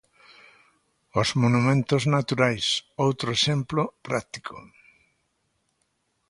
Os monumentos naturais, outro exemplo práctico.